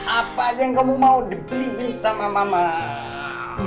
apa aja yang kamu mau dibeliin sama mama